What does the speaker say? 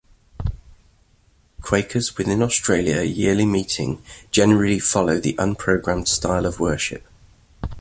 Quakers within Australia Yearly Meeting generally follow the unprogrammed style of worship.